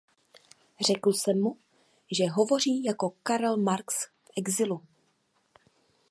Řekl jsem mu, že hovoří jako Karel Marx v exilu.